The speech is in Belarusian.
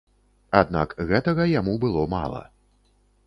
Аднак гэтага яму было мала.